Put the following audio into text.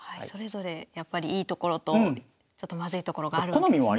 それぞれやっぱりいいところとちょっとまずいところがあるわけですね。